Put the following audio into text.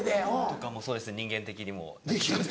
とかもそうですし人間的にも。